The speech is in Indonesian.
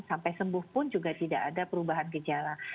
sampai sembuh pun juga tidak ada perubahan gejala